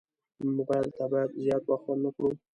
موبایل ته باید زیات وخت ورنه کړو.